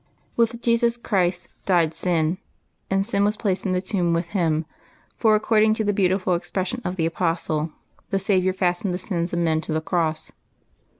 With Jesus Christ died sin, and sin was placed in the tomb with Him ; for, according to the beauti ful expression of the Apostle, the Saviour fastened the sins of men to the cross.